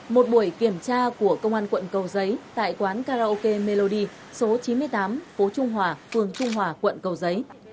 một buổi kiểm tra của công an quận cầu giấy tại quán karaoke mellody số chín mươi tám phố trung hòa phường trung hòa quận cầu giấy